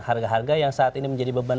harga harga yang saat ini menjadi beban